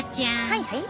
はいはい。